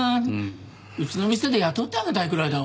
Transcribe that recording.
うちの店で雇ってあげたいくらいだわ。